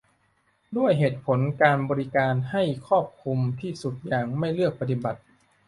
ด้วยเหตุผลการบริการให้ครอบคลุมที่สุดอย่างไม่เลือกปฏิบัติ